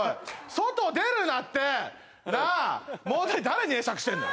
外出るなってなあ誰に会釈してんの？